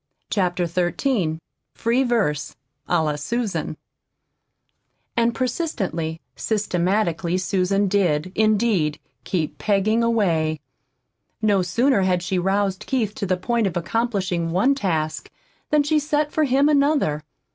CHAPTER XIII FREE VERSE A LA SUSAN And persistently, systematically Susan did, indeed, keep "peggin' away." No sooner had she roused Keith to the point of accomplishing one task than she set for him another.